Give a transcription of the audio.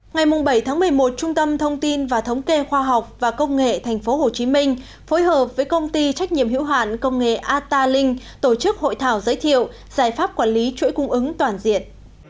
ngày bảy một mươi một trung tâm thông tin và thống kê khoa học và công nghệ tp hcm phối hợp với công ty trách nhiệm hữu hạn công nghệ atalink tổ chức hội thảo giới thiệu giải pháp quản lý chuỗi cung ứng toàn diện